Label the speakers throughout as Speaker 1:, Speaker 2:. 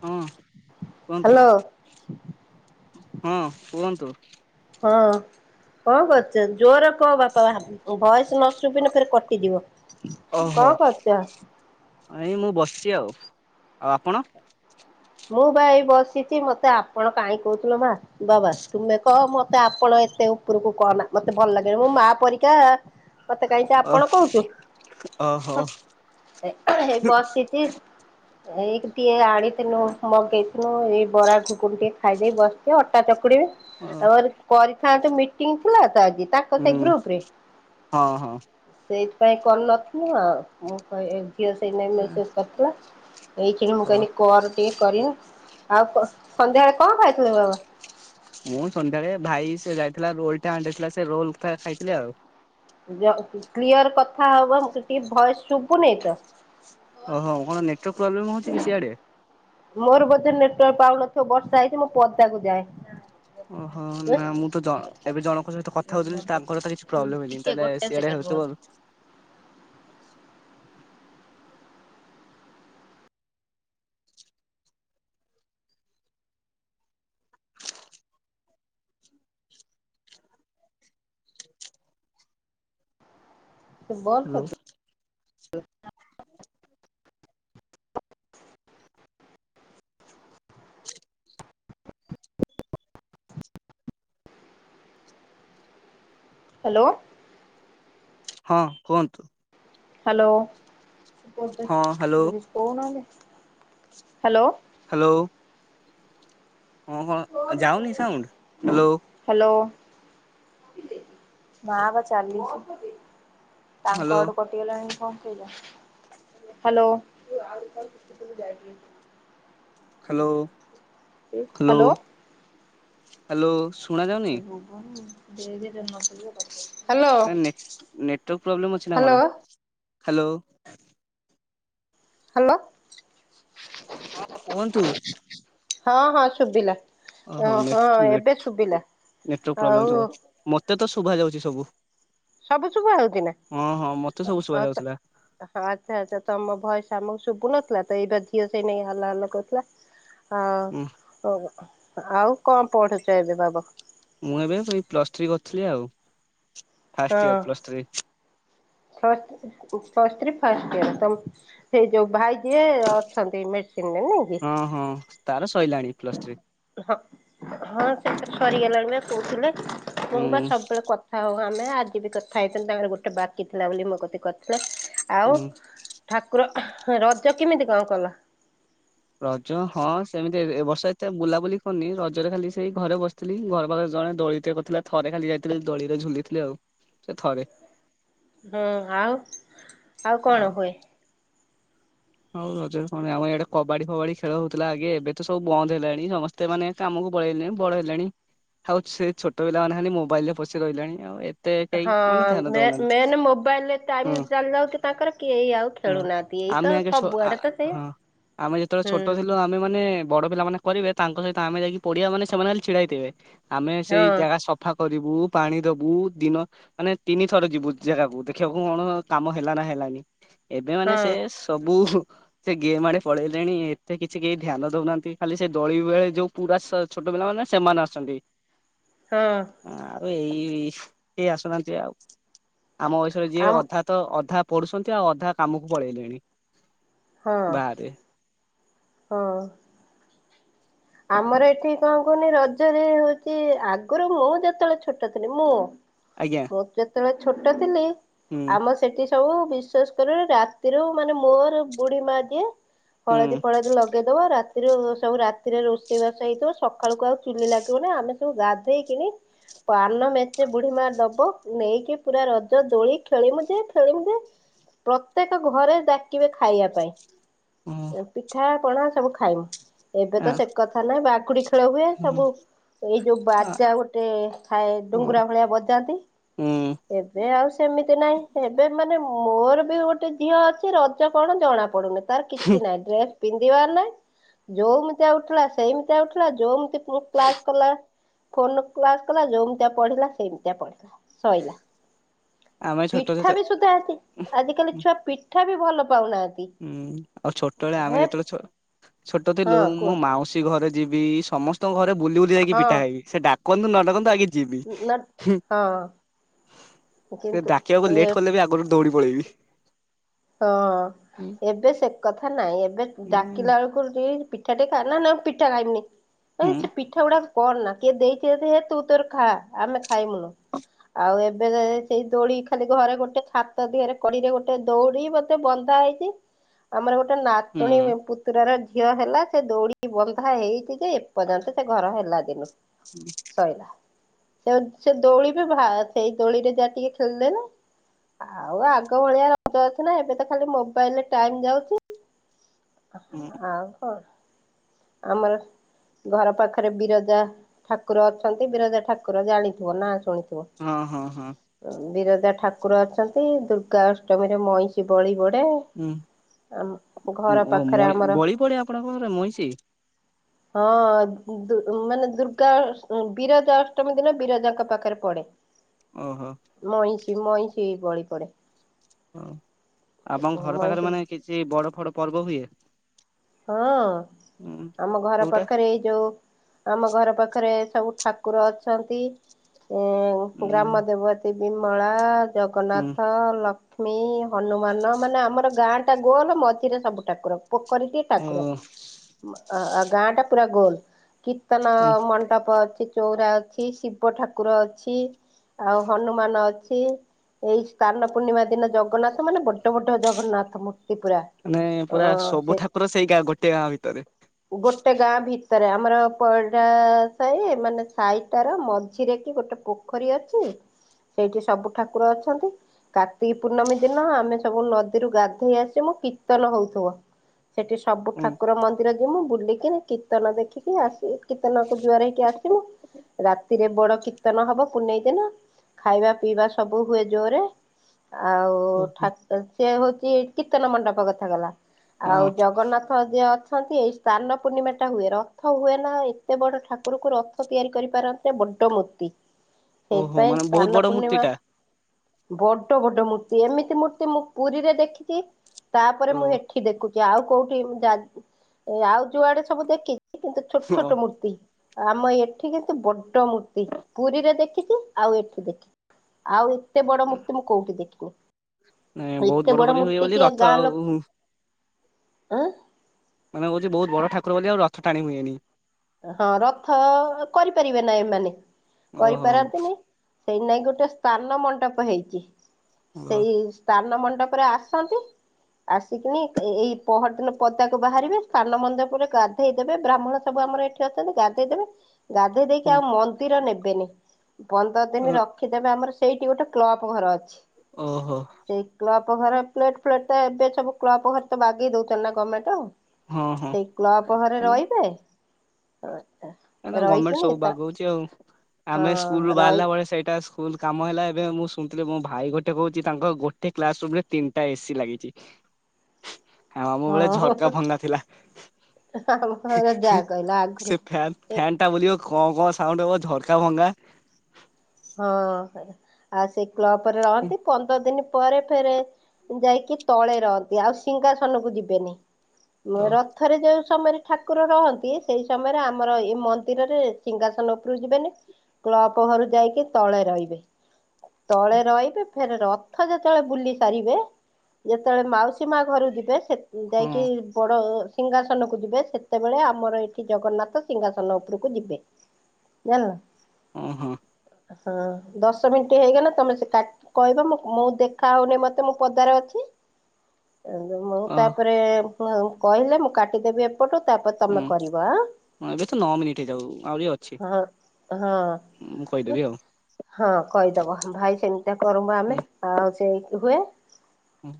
Speaker 1: ହଁ କୁହନ୍ତୁ
Speaker 2: ହ୍ୟାଲୋ
Speaker 1: ହଁ କୁହନ୍ତୁ।
Speaker 2: ହଁ କଣ କରୁଛ ଜୋରରେ କୁହ ବାପା ବା ଭଏସ ନ ଶୁବିନେ ଫେରେ କଟିଯିବ
Speaker 1: ଓହୋ।
Speaker 2: କଣ କରୁଛ?
Speaker 1: ଛି ଆଉ। ଆଉ ଆପଣ?
Speaker 2: ମୁଁ ବା ଏଇ ବସିଛି ମତେ ଆପଣ କାଇ କହୁଚୁଲୋ ମା ବାବା ତୁମେ କହ ମତେ ଆପଣ ଏତେ ଉପରକୁ କହନା ମତେ ଭଲ ଲାଗେନି ମୁଁ ମା ପରିକା ମତେ କାହିଁକି
Speaker 1: ଓ
Speaker 2: ଆପଣ କହୁଛୁ?
Speaker 1: ଓହୋ
Speaker 2: ଏ ଏହେ ବସିଛି ଏଇ ଟିକେ ଆଣିଥିନୁ ମଗେଇଥିନୁ ଏଇ ବରା ଘୁଗୁନି ଟିକେ ଖାଇଦେଇ ବସିଚି ଅଟା ଚକ କୁଡିବି
Speaker 1: ହୁଁ
Speaker 2: ତାପରେ କରିଥାନ୍ତୁ ମିଟିଂ ଥିଲା ଥା ହେଇଚି ତାଙ୍କ ସେଇ ଗ୍ରୁପରେ
Speaker 1: ହଁ ହଁ।
Speaker 2: ସେଇଥିପାଇଁ କରିନଥିଲୁ ଆଉ ମୁଁ କହ ଝିଅ ସେଇ ନାଇଁ ମେସେଜ୍ କରିଥିଲା ଏଇଖିନୁ ମୁଁ
Speaker 1: ଓ
Speaker 2: କହିଲି କର ଟିକେ ଆଉ ସନ୍ଧ୍ୟାବେଳେ କଣ ଖାଇଥିଲ ବାବା?
Speaker 1: ମୁଁ ସନ୍ଧ୍ୟାବେଳେ ଭାଇ ସେ ଯାଇଥିଲା ରୋଲ ଟେ ଆଣିଦେଇଥିଲା ସେ ରୋଲ ଟା ଖାଇଥିଲି ଆଉ।
Speaker 2: ଯ କ୍ଲିୟର କଥା ହବ ମତେ ଟିକେ ଭଏସ ଶୁଭୁନେଇ ତ
Speaker 1: ଓହୋ କଣ ନେଟୱାର୍କ ପ୍ରୋବ୍ଲେମ୍ ହଉଛି କି ସିଆଡେ?
Speaker 2: ମୋର ବୋଧେ ନେଟୱାର୍କ ପାଉନଥିବ ବର୍ଷା ହେଇଛି ମୁଁ ପଦାକୁ ଯାଏ।
Speaker 1: ଓହୋ
Speaker 2: ଉଁ।
Speaker 1: ନା ମୁଁ ତ ଜ ଏବେ ଜଣଙ୍କ ସହିତ କଥା ହଉଥିଲି ତାଙ୍କର ତ କିଛି
Speaker 2: ହୁଁ
Speaker 1: ପ୍ରୋବ୍ଲେମ୍ ହେଇନି
Speaker 2: ଟିକେ
Speaker 1: ତାହେଲେ
Speaker 2: ଗୋଟେ
Speaker 1: ସିଆଡେ
Speaker 2: ସେକେଣ୍ଡ
Speaker 1: ହଉ କେତେ
Speaker 2: ରୁହନ୍ତୁ।
Speaker 1: ବଲ
Speaker 2: ତୁ ବନ୍ଦ
Speaker 1: ହ୍ୟାଲୋ
Speaker 2: କର। ହ୍ୟାଲୋ।
Speaker 1: ହଁ କୁହନ୍ତୁ?
Speaker 2: ହ୍ୟାଲୋ
Speaker 1: ହଁ ହ୍ୟାଲୋ
Speaker 2: କଣ ହ୍ୟାଲୋ?
Speaker 1: ହ୍ୟାଲୋ। ହଁ ହଁ ଆ ଯାଉନି ସାଉଣ୍ଡ ହ୍ୟାଲୋ।
Speaker 2: ହ୍ୟାଲୋ। ମା ବା ଚାଲିଚି। ତାଙ୍କ
Speaker 1: ହ୍ୟାଲୋ
Speaker 2: ଆଡୁ କଟିଗଲାଣି। ହ୍ୟାଲୋ।
Speaker 1: Hello hello hello. ଶୁଣା ଯାଉନି?
Speaker 2: ପ [unintelligible]
Speaker 1: ନେଟ ନେଟୱାର୍କ ପ୍ରୋବ୍ଲେମ ଅଛି ନା
Speaker 2: ହ୍ୟାଲୋ
Speaker 1: କଣ ହ୍ୟାଲୋ।
Speaker 2: ହ୍ୟାଲୋ।
Speaker 1: ହଁ କୁହନ୍ତୁ?
Speaker 2: ହଁ ହଁ ଶୁଭିଲା। ଓ
Speaker 1: ଓହୋ
Speaker 2: ହଁ
Speaker 1: ନେଟ ନେଟ
Speaker 2: ଏବେ ଶୁଭିଲା
Speaker 1: ନେଟୱାର୍କ
Speaker 2: ଆଉ
Speaker 1: ପ୍ରୋବ୍ଲେମ୍ ଥିବ ମତେ ତ ଶୁଭା ଯାଉଛି ସବୁ।
Speaker 2: ସବୁ ଶୁଭା ଯାଉଛି ନା?
Speaker 1: ହଁ ହଁ ମତେ
Speaker 2: ଆଉ
Speaker 1: ସବୁ ଶୁଭା ଯାଉଥିଲା।
Speaker 2: ଆଚ୍ଛା ଆଚ୍ଛା ତମ ଭୟସ ଆମକୁ ଶୁଭୁନଥିଲା ତ ଏଇଟା ଝିଅ ସେ ନେଇ ହାଲ ହାଲ କରୁଥିଲା
Speaker 1: ହୁଁ
Speaker 2: ଆ ଆଉ କଣ ପଢୁଛ ଏବେ ବା
Speaker 1: ମୁଁ ଏବେ ଏଇ ପ୍ଲସ ଥ୍ରୀ କରଥିଲି ଆଉ। First year plus three.
Speaker 2: Plus plus three first ear [unintelligible] ସେଇ ଯୋଉ ଭାଇ ସିଏ ଅଛନ୍ତି ମେଡସିନରେ ନୁହେଁ କି?
Speaker 1: ହଁ ହଁ। ତାର ସଇଲାଣି ପ୍ଲସ ଥ୍ରୀ
Speaker 2: ହଁ ହଁ ସେତ ସରିଗଲାଣି ବା କହୁଥିଲେ। ମୁଁ ବା
Speaker 1: ହୁଁ।
Speaker 2: ସବୁବେଳେ କଥା ହଁ ଆମେ ଆଜି ବି କଥା ହେଇଥିଲ ତାଙ୍କର ଗୋଟେ ବାକି ଥିଲା ବୋଲି ମୋ କତି କରଥିଲେ। ଆଉ ଠାକୁର ରଜ କିମିତି କଣ କଲ?
Speaker 1: ରଜ ହଁ ସେମିତି ଏ ଏବର୍ଷ ଏତେ ବୁଲାବୁଲି କରନି। ରଜରେ ଖାଲି ସେଇ ଘରେ ବସିଥିଲି ଘର ପାଖ ଜଣେ ଦୋଳିିତେ କଥିଲା ଥରେ ଖାଲି ଯାଇଥିଲି ଦୋଳିରେ ଝୁଲିଥିଲି ଆଉ, ସେ ଥରେ।
Speaker 2: ହଁ ଆଉ ଆଉ କଣ ହୁଏ?
Speaker 1: ହଉ ରଜରେ କଣ ଆମ ଇଆଡେ କବାଡି ଫବାଡି ଖେଳ ହଉଥିଲା ଆଗେ ଏବେ ତ ସବୁ ବନ୍ଦ ହେଲାଣି ସମସ୍ତେ ମାନେ କାମ [unintelligible] ବଳ ହେଲେଣି, ଆଉ ସେ ଛୋଟ ପିଲାମାନେ ଖାଲି ମୋବାଇଲରେ ପଶି ରହିଲେଣି ଆଉ ଏତେ କେହି
Speaker 2: ହଁ
Speaker 1: ମାନେ ଧ୍ୟାନ
Speaker 2: ମେ
Speaker 1: ଦଉନାହାନ୍ତି।
Speaker 2: ମେନେ ମୋବାଇଲରେ ଟାଇମ
Speaker 1: ହୁଁ।
Speaker 2: ଚାଲି ଯାଉଛି ତାଙ୍କର କେହି ଆଉ
Speaker 1: ହଁ
Speaker 2: ଖେଳୁନାହାନ୍ତି। ଏଇ
Speaker 1: ଆମେ
Speaker 2: ତ
Speaker 1: ଆଗେ
Speaker 2: ସବ
Speaker 1: ଛ ହଁ ଆମେ ଯେତେବେଳେ ଛୋଟ ଥିଲୁ ଆମେ ମାନେ ବଡ଼ ପିଲାମାନେ କରିବେ ତାଙ୍କ ସହିତ ଆମେ ଯାଇକି ପଡିଆ ମାନେ ସେମାନେ ଖାଲି ଛିଡ଼ା ହେଇଥିବେ। ଆମେ ସେଇ
Speaker 2: ହଁ
Speaker 1: ଜାଗା ସଫା କରିବୁ। ଉ ପାଣି ଦବୁ ଦିନ ମାନେ ତିନି ଥର ଯିବୁ ଜାଗାକୁ ଦେଖିବାକୁ କଣ କାମ ହେଲା ନା ହେଲାନି। ଏବେ ମାନେ
Speaker 2: ହଁ
Speaker 1: ସେ ସବ ବୁ ସେ ଗେମ୍ ଆଡେ ପଳେଇଲେଣି ଏତେ କିଛି କେହି ଧ୍ୟାନ ଦଉନାହାନ୍ତି ଖାଲି ସେ ଦୋଳି ବେଳେ ଯୋଉ ପୁରା ସେ ଛୋଟ ପିଲାମାନେ ସେମାନେ ଆସଛନ୍ତି।
Speaker 2: ହଁ
Speaker 1: ଆଉ ଏଇ କେହି ଆସୁନାହାନ୍ତି ଆଉ। ଆମ ବୟସରେ ଯିଏ
Speaker 2: ଆମ
Speaker 1: ଅଧା ତ ଅଧା ପଢୁସନ୍ତି ଆଉ ଅଧା କାମକୁ ପଳେଇଲେଣି।
Speaker 2: ହଁ
Speaker 1: ବାରେ
Speaker 2: ହଁ। ଆମର ଏଠି କଣ କୁହନି ରଜରେ ହଉଛି ଆଗରୁ ମୁଁ ଯେତେବେଳେ ଛୋଟ ଥିଲି ମୁଁ
Speaker 1: ଆଜ୍ଞା।
Speaker 2: କୋ ମୁଁ ଯେତେବେଳେ ଛୋଟ ଥିଲି
Speaker 1: ହୁଁ
Speaker 2: ଆମ ସେଠି ହଉ ବିଶ୍ୱାସ କରିବନି ରାତିରୁ ମାନେ ମୋର ବୁଢ଼ୀ ମା ଯିଏ ହଳଦୀ
Speaker 1: ହୁଁ
Speaker 2: ଫଳଦୀ ଲଗେଇଦବ ରାତିରୁ ସବୁ ରାତ [unintelligible] ରୋଷେଇବାସ ହେଇଥିବ ସକାଳକୁ ଆଉ ଚୁଲି ଲାଗିବନି ଆମେ ସବୁ ଗାଧେଇ ପାନ ମେଚେ ବୁଢ଼ୀମା ଦବ, ନେଇକି ପୁରା ରଜ ଦୋଳି ଖେଳିମୁ ଯେ ଖେଳିମୁ ଯେ ପ୍ରତ୍ୟେକ ଘରେ ଡାକିବେ ଖାଇଆ ପାଇଁ।
Speaker 1: ହୁଁ
Speaker 2: ପିଠା ପଣା ସବୁ ଖାଇମୁ।
Speaker 1: ଆ
Speaker 2: ଏବେତ ସେକଥା ନାହିଁ ବାଘୁଡ଼ି ଖେଳ ହୁଏ
Speaker 1: ହୁଁ
Speaker 2: ସବୁ। ଏଇ ଯୋଉ
Speaker 1: ଆ
Speaker 2: ବାଜା ଗୋଟେ ଥାଏ
Speaker 1: ହୁଁ
Speaker 2: ଡୁଙ୍ଗୁରା ଭଳିଆ ବଜାନ୍ତି
Speaker 1: ହୁଁ
Speaker 2: ଏବେ ଆଉ ସେମିତି ନାଇଁ। ଏବେ ମାନେ ମୋର ବି ଗୋଟେ ଝିଅ ଅଛି, ରଜ କଣ ଜଣା ପଡୁନି। ତାର କିଛି ନାହିଁ ଡ୍ରେସ୍ ପିନ୍ଧିବାର ନାହିଁ। ଯୋଉମୁତିଆ ଉଠିଲା ସେଇମିତିଆ ଉଠିଲା, ଯୋଉମୁତି ପୁଣି କ୍ଲାସ କଲା ଫୋନରୁ କ୍ଲାସ କଲା, ଯୋଉମୁତିଆ ପଢ଼ିଲା ସେମତିଆ ପଢ଼ିଲା ସଇଲା।
Speaker 1: ଆମେ ଛୋଟ ଯେତେ
Speaker 2: ପିଠାବି ସୁଧା [unintelligible] ଆଜିକାଲି ଛୁଆ ପିଠା ବି ଭଲ ପାଉନାହାନ୍ତି
Speaker 1: ହୁଁ। ଆଉ ଛୋଟବେଳେ ଆମେ
Speaker 2: ହେ
Speaker 1: ଯେତେବେଳେ ଛୋ-ଛୋଟ
Speaker 2: ହଁ
Speaker 1: ଥିଲୁ
Speaker 2: କୁହ
Speaker 1: ମୋ ମାଉସୀ ଘରେ ଯିବି, ସମସ୍ତଙ୍କ ଘରେ ବୁଲି ବୁଲି ଯାଇକି
Speaker 2: ହଁ
Speaker 1: ପିଠା ଖାଇବି। ସେ ଡାକନ୍ତୁ ନ ଡାକନ୍ତୁ ଆଗେ ଯିବି
Speaker 2: ନା ହଁ
Speaker 1: ସେ ଡାକିବାକୁ ଲେଟ୍
Speaker 2: କିନ୍ତୁ
Speaker 1: କଲେ ବି ଆଗରୁ ଦୌଡି ପଳେଇବି।
Speaker 2: ହଁ।
Speaker 1: ହୁଁ
Speaker 2: ଏବେ ସେ କଥା ନାଇଁ, ଏବେ ଡାକିଲା
Speaker 1: ହୁଁ
Speaker 2: ଏଳକୁ [unintelligible] ପିଠା ଟେ ଖା, ନାନା ମୁଁ ପିଠା ଖାଇମିନି।
Speaker 1: ହୁଁ
Speaker 2: ସେ ପିଠା ଗୁଡା କରନା। କିଏ ଦେଇଛି ଯଦି ହେ ତୁ ତୋର ଖା। ଆମେ ଖାଇମୁନୁ ଆଉ ଏବେଯେ ସେଇ ଦୋଳି ଖାଲି ଘରେ ଗୋଟେ ଛାତ ଦିହେରେ କଡ଼ିରେ ଗୋଟେ ଦୌ ଉଡି, ବନ୍ଧା ହେଇଚି। ଆମର ଗୋଟେ ନାତୁଣୀ
Speaker 1: ହୁଁ
Speaker 2: ପୁତୁରା ର ଝିଅ ହେଲା ସେ ଦୌଡ଼ି ବନ୍ଧା ହେଇଛି, ଯେ ଏପର୍ଯ୍ୟନ୍ତ ସେ ଘର ହେଲା ଦିନୁ
Speaker 1: [inaudible]
Speaker 2: ସେ-ସେ ଦୋଳିବି ଭା ସେଇ ଦୋଳିରେ ଯାହା ଟିକେ ଖେଲଦେଲା ଆଉ ଆଗ ବଳିଆ ର ଏବେ ତ ଖାଲି ମୋବାଇଲରେ ଟାଇମ ଯାଉଛି
Speaker 1: ହୁଁ
Speaker 2: ଆଉ କଣ ଆମର ଘର ପାଖରେ ବିରଜା ଠାକୁର ଅଛନ୍ତି, ବିରଜା ଠାକୁର ଜାଣିଥିବ ନାଁ ଶୁଣିଥିବ
Speaker 1: ହଁ ହଁ ହଁ
Speaker 2: ବିର ଯା, ଠାକୁର ଅଛନ୍ତି, ଦୁର୍ଗା ଅଷ୍ଟମୀରେ ମଇଁଷି ବଳି ବଳି
Speaker 1: ହୁଁ
Speaker 2: ପାଖରେ ଆମର
Speaker 1: ବଳି ପଡେ ଆପଣଙ୍କରେ ମଇଁଷି
Speaker 2: ହଁ ମାନେ ଦୁର୍ଗା ବିରଜା ଅଷ୍ଟମୀ ଦିନ ବିରଜାଙ୍କ ପାଖରେ ପଡେ।
Speaker 1: ଓହୋ।
Speaker 2: ମଇଁଷି ମଇଁଷି ବଳି ପଡ଼େ।
Speaker 1: ହ ଆପଣ ଘର ପାଖରେ ମାନେ କିଛି ବଡ ଫଡ ପର୍ବ ହୁଏ?
Speaker 2: ହଁ
Speaker 1: ଉଁ
Speaker 2: ଆମ ଘର
Speaker 1: କୋଉଟା
Speaker 2: ପାଖରେ ଏଇ ଯୋଉ ଆମ ଘର ପାଖରେ ସବୁ ଠାକୁର ଅଛନ୍ତି,
Speaker 1: ଉଁ
Speaker 2: ଗ୍ରାମ ଦେବତୀ ବିମଳା
Speaker 1: ହୁଁ
Speaker 2: ଜଗନ୍ନାଥ, ଲ କ୍ଷ୍ମୀ ହନୁମାନ, ମାନେ ଆମର ଗାଁ ଟା ଗୋଲ ମଝିରେ ସବୁ ଠାକୁର ପୋଖରୀ
Speaker 1: ଓ
Speaker 2: ଠାକୁର ଗାଁ ଟା ପୁରା ଗୋଲ କୀର୍ତ୍ତନ
Speaker 1: ଓ
Speaker 2: ମଣ୍ଡପ ଅଛି, ଚଉରା ଅଛି ଶିବ ଠାକୁର ଅଛି। ଆଉ ହନୁମାନ ଅଛି, ଏଇ ସ୍ନାର୍ଣ୍ଣ ପୂର୍ଣ୍ଣିମା ଦିନ ଜଗ ଜଗନ୍ନାଥ ମାନେ ବଡ ବଡ଼ ଜଗନ୍ନାଥ ମୂର୍ତ୍ତି। ପୁରା।
Speaker 1: ମାନେ
Speaker 2: ଓ
Speaker 1: ପୁରା ସବୁ
Speaker 2: ସେ
Speaker 1: ଠାକୁର ସେଇ ଗାଁ ଗୋଟେ ଗାଁ ଭିତରେ
Speaker 2: ଗୋଟେ ଗାଁ ଭିତରେ ଆମର ପଡା ସାହି ମାନେ ସାହିଟା ର ମଝିରେ କି ଗୋଟେ ପୋଖରୀ ଅଛି। ସେଇଠି ସବୁ ଠାକୁର ଅଛନ୍ତି। କାର୍ତ୍ତିକ ପୂର୍ଣ୍ଣମୀ ଦିନ, ଆମେ ସବୁ ନଦୀରୁ ଗାଧେଇ ଆସିବୁ କୀର୍ତ୍ତନ ହଉଥିବ ସେଠି ସବୁ
Speaker 1: ହୁଁ
Speaker 2: ଠାକୁର ମନ୍ଦିର ଯ ମୁଁ ବୁଲିକି କୀର୍ତ୍ତନ ଦେଖିକି ଆସି କୀର୍ତନକ ଜୁଆର ହେଇକି ଆସିବୁ ରାତିରେ ବଡ କୀର୍ତ୍ତନ ହବ ପୁନେଇ ଦିନ ଖାଇବା ପିଇବା ସବୁ ହୁଏ, ଜୋରେ ଆଉ
Speaker 1: ଓହୋ
Speaker 2: ଠା ସେ ହଉଛି କୀର୍ତ୍ତନ ମଣ୍ଡପ କଥା ଗଲା।
Speaker 1: ହଁ।
Speaker 2: ଆଉ ଜଗନ୍ନାଥ ଯିଏ ଅଛନ୍ତି ଏଇ ସ୍ନାନ ପୂର୍ଣ୍ଣିମା ଟା ହୁଏ, ରଥ ହୁଏ ନା ଏତେ ବଡ ଠାକୁରଙ୍କୁ ରଥ ତିଆରି କରିପାରନ୍ତେ ବଡ ମୂର୍ତ୍ତି
Speaker 1: ଓହୋ
Speaker 2: ସେଇଥିପାଇଁ
Speaker 1: ମାନେ ବହୁତ
Speaker 2: ସ୍ନାନ
Speaker 1: ବଡ
Speaker 2: ପୂର୍ଣ୍ଣିମା
Speaker 1: ମୂର୍ତ୍ତିଟା
Speaker 2: ବଡ ବଡ ମୂର୍ତ୍ତି ଏମିତି ମୂର୍ତ୍ତି ମୁଁ ପୁରୀରେ ଦେଖିଛି ତାପରେ
Speaker 1: ଓ
Speaker 2: ମୁଁ ଏଠି ଦେଖୁିଛି। ଯେ ଆଉ କୋଉଠି ଏମତି, ଆଉ ଯୁଆଡେ ସବୁ ଦେଖିଛି କିନ୍ତୁ ଛୋଟ
Speaker 1: ଓ
Speaker 2: ଛୋଟ ମୂର୍ତ୍ତି। ଆମ ଏଠି କିନ୍ତୁ ବଡ ମୂର୍ତ୍ତି, ପୁରୀରେ ଦେଖିଛି ଆଉ ଏଠି ଦେଖିଛି। ଆଉ ଏତେ ବଡ ମୂର୍ତ୍ତି ମୁଁ କୋଉଠି ଦେଖିନି,
Speaker 1: ନାଇଁ ବହୁତ
Speaker 2: ଏତେ ବଡ
Speaker 1: କରି ହୁଏ
Speaker 2: ମୂର୍ତ୍ତି
Speaker 1: ବୋଲି
Speaker 2: କି
Speaker 1: ରଥ
Speaker 2: ଗାଁ ଲୋକ
Speaker 1: ଆଉ
Speaker 2: ଆ
Speaker 1: ମାନେ କହୁଛେ ବହୁତ ବଡ ଠାକୁର ବୋଲି ଆଉ ରଥ ଟାଣି ହୁଏନି।
Speaker 2: ହଁ ରଥ କରିପାରିବେ ନାଇ ଏମାନେ
Speaker 1: ଓହୋ
Speaker 2: କରିପାରନ୍ତିନି। ସେଇ ନାଇ ଗୋଟେ ସ୍ନାନ ମଣ୍ଡପ ହେଇଛି,
Speaker 1: ଓହୋ
Speaker 2: ସେଇ ସ୍ନାନ ମଣ୍ଡପ ତାପରେ ଆସନ୍ତି ଆସିକିନି ଏଇ ପହରଦିନ ପଦାକୁ ବାହାରିବେ, ସ୍ନାନ ମଣ୍ଡପରେ ଗାଧେଇ ଦେବେ ବ୍ରାହ୍ମଣ ସବୁ ଆମର ଏ ଠି ଅଛନ୍ତି ଗାଧେଇ ଦେବେ, ଗାଧେଇ ଦେଇକି ଆଉ ମନ୍ଦିର ନେବେନି। ପନ୍ଦର ଦିନ ରଖିଦେବେ ଆମର ସେଇଠି ଗୋଟେ କ୍ଲବ ଘର ଅଛି।
Speaker 1: ଓହୋ।
Speaker 2: ସେଇ କ୍ଲବ ଘର ପ୍ଲେଟ ଫ୍ଲେଟ ଏବେ ସବୁ କ୍ଲବ ଘରେ ତ ବାଗେଇ ଦଉଛନ୍ତି ନା ଗର୍ମେଣ୍ଟ।
Speaker 1: ହଁ ହଁ
Speaker 2: ସେଇ କ୍ଲବଘରେ ରହିବେ, ହ
Speaker 1: ନାଇ ଗଭର୍ଣ୍ଣମେଣ୍ଟ ସବୁ ବାଗଉଛି ଆଉ,
Speaker 2: ହଁ
Speaker 1: ଆମେ ସ୍କୁଲୁ
Speaker 2: ରହି
Speaker 1: ବାହାରିଲା ବେଳେ ସେଇଟା ସ୍କୁଲ କାମ ହେଲା ଏବେ ମୁଁ ଶୁଣିଥିଲି ମୋ ଭାଇ ଗୋଟେ କହୁଛି ତାଙ୍କ ଗୋଟେ କ୍ଲାସ ରୁମ ରେ ତିନିଟା ଏସି ଲାଗିଛି। ହ ଆମ ବେଳେ ଝରକା
Speaker 2: ହଁ
Speaker 1: ଭଙ୍ଗା ଥିଲା,
Speaker 2: ଆମ ଘରେ ଯାହା କହିଲ ଆଗରୁ
Speaker 1: ସେ ଫ୍ୟାନ୍
Speaker 2: ଏ
Speaker 1: ଫ୍ୟାନଟା ବୁଲିବ ଘଁ ଘଁ ସାଉଣ୍ଡ ହବ, ଝରକା ଭଙ୍ଗା।
Speaker 2: ହଁ ଆଉ ସେଇ କ୍ଲବରେ ରହନ୍ତି ପନ୍ଦର ଦିନ ପରେ ଫରେ ଯାଇକି ତଳେ ରହନ୍ତି, ଆଉ ସିଙ୍ଗାସନକୁ ଯିବେନି। ମୁଁ
Speaker 1: ଓ
Speaker 2: ରଥରେ ଯାଉଉ ସମୟରେ ଠାକୁର ରହନ୍ତି ସେଇ ସମୟରେ ଆମର ଏଇ ମନ୍ଦିରରେ ସିଂହାସନ ଉପରୁ ଯିବେନି। କ୍ଲବ ଘରୁ ଯାଇକି ତଳେ ରହିବେ, ତଳେ ରହିବେ ଫେରେ ରଥ ଯେତେବେଳେ ବୁଲି ସାରିବେ ଯେତେବେଳେ ମାଉସୀ ମା ଘରୁ ଯିବେ ସେତ ଯାଇକି
Speaker 1: ହଁ
Speaker 2: ବଡ ସିଂହାସନକୁ ଯିବେ ସେତେବେଳେ ଆମର ଏଠି ଜଗନ୍ନାଥ ସିଂହାସନ ଉପରକୁ ଯିବେ। ଜାଣିଲ?
Speaker 1: ଓହୋ।
Speaker 2: ହଁ ଦଶ ମିନିଟ୍ ହେଇଗଲେ ତମେ ସେ କାଟ କହିବ ମୁଁ-ମୁଁ ଦେଖା ହଉନି ମତେ ମୁଁ ପଦାରେ ଅଛି।
Speaker 1: ହ [unintelligible]
Speaker 2: ମୁଁ ତାପରେ କହିଲେ ମୁଁ କାଟିଦେବି ଏପ ପଟୁ ତାପରେ ତମେ
Speaker 1: ହୁଁ
Speaker 2: କରିବ
Speaker 1: ଏବେ ତ ନଅ ମିନିଟ୍ ହେଇଯାଉ ଆହୁରି ଅଛି।
Speaker 2: ହଁ। ହଁ।
Speaker 1: ମୁଁ କହିଦେବି ଆଉ
Speaker 2: ହଁ କହିଦବ ଭାଇ ସେମିତି କର ଆମେ
Speaker 1: ହୁଁ
Speaker 2: ଆଉ ସେଇ ହୁଏ।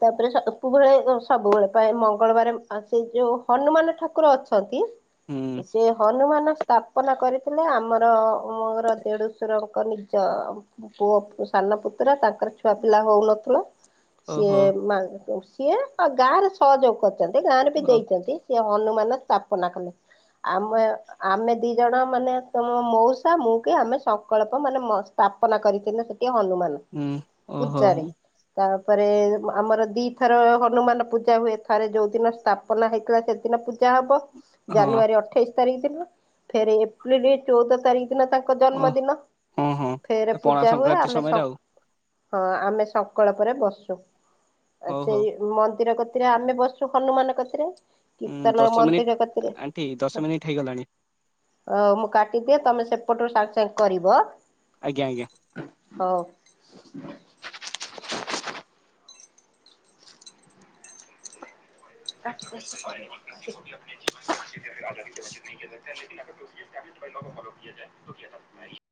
Speaker 2: ତାପରେ ସ ସବୁବେଳେ ସବୁବେଳେ ପାଇଁ ମଙ୍ଗଳବାର ସେ ଯେଉଁ ହନୁମାନ ଠାକୁର ଅଛନ୍ତି
Speaker 1: ହୁଁ ହୁଁ
Speaker 2: ସେ ହନୁମାନ ସ୍ଥାପନା କରିଥିଲେ ଆମରର ମୋର ଦେଢଶୁ ଶୁରଙ୍କ ନିଜ ପୁଅ, ସାନ ପୁତୁରା ତାଙ୍କର ଛୁଆ ପିଲା ହଉନଥିଲା।
Speaker 1: ଓହୋ
Speaker 2: ସିଏ ମା ସିଏ ଆ ଗାଁରେ ସହଯୋଗ କରି ଗାଁରେ ବି
Speaker 1: ଓ
Speaker 2: ଦେଇଛନ୍ତି ସେ ହନୁମାନ ସ୍ଥାପନା କଲେ। ଆମେ ଆମେ ଦି ଜଣ ମାନେ ତମ ମଉସା ମୁଁ କି ଆମେ ସ ପ୍ରକଳ୍ପ ମାନେ ସ୍ଥାପନା କରିଥିଲେ ସେଠି ହନୁମାନ
Speaker 1: ହୁଁ ଓହୋ
Speaker 2: ପୂଜାରେ ତା ପରେ ଆମର ଦିଥର ହନୁମାନ ପୂଜା ହୁଏ, ଥରେ ଯୋଉ ଦିନ ସ୍ଥାପନା ହେଇଥିଲା ସେଦିନ ପୁ ଯା ହବ
Speaker 1: ହଁ
Speaker 2: ଜାନୁଆରୀ ଅଠେଇଶ ତାରିଖ ଦିନ ଫେର ଏପ୍ରିଲ ଚଉଦ ତାରିଖ ଦିନ ତାଙ୍କ
Speaker 1: ଓ
Speaker 2: ଜନ୍ମଦିନ
Speaker 1: ହଁ ହଁ
Speaker 2: ଫେର
Speaker 1: ପଣା
Speaker 2: ପୂଜା ହୁଏ,
Speaker 1: ସଂକ୍ରାନ୍ତି
Speaker 2: ଆମେ
Speaker 1: ସମୟରେ
Speaker 2: ସ
Speaker 1: ଆଉ
Speaker 2: ହଁ ଆମେ ସଙ୍କଳ୍ପପରେ ବସୁ ଆ
Speaker 1: ହଉ ହଉ
Speaker 2: ସେଇ ମନ୍ଦିର କ ଏଥିରେ ଆମେ ବସୁ ହନୁମାନ କତିରେ। କୀର୍ତ୍ତନ
Speaker 1: ଦଶ ମିନିଟ୍
Speaker 2: ମନ୍ଦିର କତିରେ
Speaker 1: ଆଣ୍ଟି ଦଶ
Speaker 2: ହ
Speaker 1: ମିନିଟ୍ ହେଇଗଲାଣି
Speaker 2: ହଉ ମୁଁ କାଟିଦିଏ ତମେ ସେପଟରୁ ସାଙ୍ଗେ ସାଙ୍ଗେ କରିବ?
Speaker 1: ଆଜ୍ଞା ଆଜ୍ଞା।
Speaker 2: ହ [inaudible] [unintelligible] ି ଯେ ଦଖି ନହି [unintelligible]